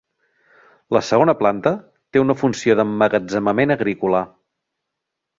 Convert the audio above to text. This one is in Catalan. La segona planta té una funció d'emmagatzemament agrícola.